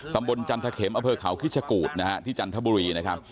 ตำบลจันทเขมอเผ่อข่าวฮิชกูตที่จันทบุรี